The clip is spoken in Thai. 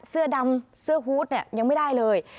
เสื้อดำเสื้อฮู๊ดยังไม่ได้เลย